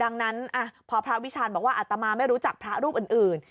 ดังนั้นพอพระวิชาณบอกว่าอัตมาไม่รู้จักพระรูปอื่น